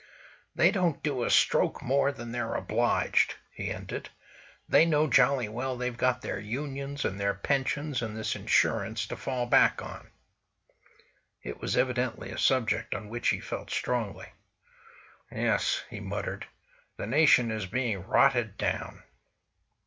"They don't do a stroke more than they're obliged," he ended; "they know jolly well they've got their Unions, and their pensions, and this Insurance, to fall back on." It was evidently a subject on which he felt strongly. "Yes," he muttered, "the nation is being rotted down."